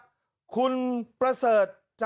มันก็เกือบมากเลยนะครับ